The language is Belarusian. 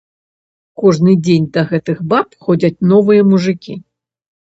Кожны дзень да гэтых баб ходзяць новыя мужыкі.